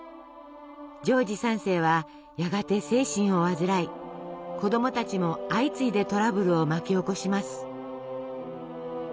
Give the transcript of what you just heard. ジョージ３世はやがて精神を患い子どもたちも相次いでトラブルを巻き起こします。